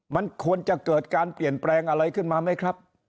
มันควรจะเกิดการเปลี่ยนแปลงอะไรขึ้นมาไหมครับ